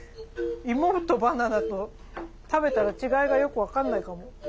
芋とバナナと食べたら違いがよく分かんないかも。